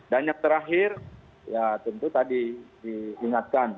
dan yang terakhir ya tentu tadi diingatkan